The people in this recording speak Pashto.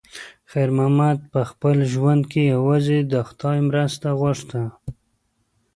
خیر محمد په خپل ژوند کې یوازې د خدای مرسته غوښته.